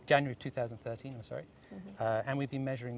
jangan lupa pada bulan januari dua ribu tiga belas